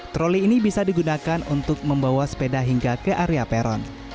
troli ini bisa digunakan untuk membawa sepeda hingga ke area peron